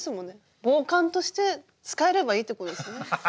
防寒として使えればいいってことですよね。